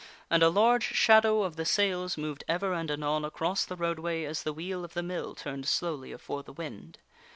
And a large shadow of the sails moved ever and anon across the roadway as the wheel of the mill turned slowly afore the wind.